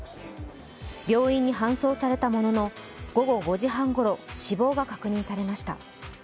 病院に搬送されたものの、午後５時半ごろ、死亡が確認されました。